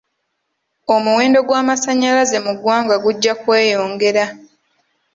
Omuwendo gw'amasannyalaze mu ggwanga gujja kweyongera.